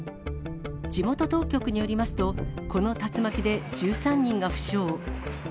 地元当局によりますと、この竜巻で１３人が負傷。